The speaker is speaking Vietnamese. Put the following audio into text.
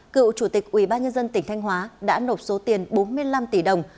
cựu chủ tịch ủy ba nhân dân tỉnh thanh hóa đã nộp số tiền bốn mươi năm tỷ đồng